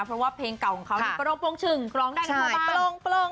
เพราะว่าเพลงเก่าของเขาประโลกปรงชึงร้องได้กันทุกปัน